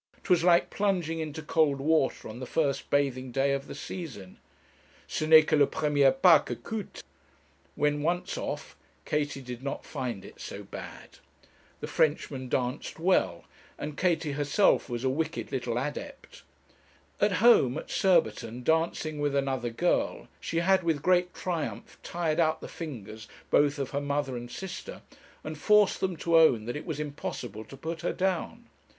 'Twas like plunging into cold water on the first bathing day of the season 'ce n'est que le premier pas que coute.' When once off Katie did not find it so bad. The Frenchman danced well, and Katie herself was a wicked little adept. At home, at Surbiton, dancing with another girl, she had with great triumph tired out the fingers both of her mother and sister, and forced them to own that it was impossible to put her down.